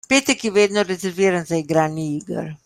Petek je vedno rezerviran za igranje iger.